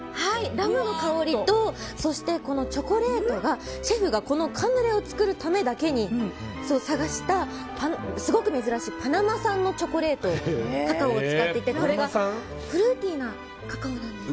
ラムの香りとそしてチョコレートが、シェフがこのカヌレを作るためだけに探したすごく珍しいパナマ産のチョコレートのカカオを使っていてフルーティーなカカオなんです。